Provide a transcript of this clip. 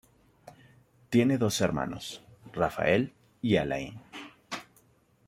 Tiene dos hermanos, Rafael y Alain.